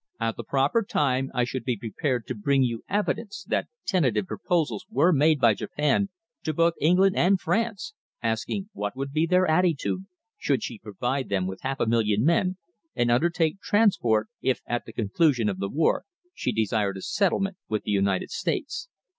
"At the proper time I should be prepared to bring you evidence that tentative proposals were made by Japan to both England and France, asking what would be their attitude, should she provide them with half a million men and undertake transport, if at the conclusion of the war she desired a settlement with the United States.